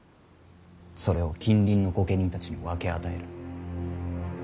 それを近隣の御家人たちに分け与える。